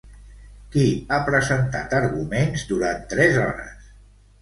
Qui ha presentat arguments durant tres hores?